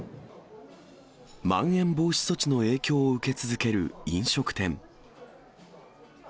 まん延防止措置の影響を受け続ける飲食店。